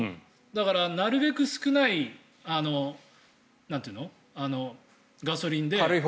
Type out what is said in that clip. だから、なるべく少ないガソリンで。